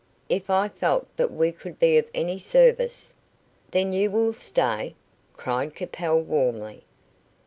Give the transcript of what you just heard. "If I felt that we could be of any service " "Then you will stay?" cried Capel, warmly.